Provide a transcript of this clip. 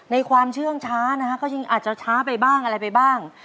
ในความเชื่องช้านะฮะก็จริงอาจจะช้าไปบ้างอะไรไปบ้าง